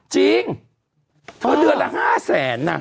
จริงเท่าเดือนละ๕๐๐๐๐๐อ่ะ